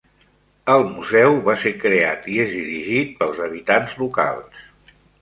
El museu va ser creat i és dirigit pels habitants locals.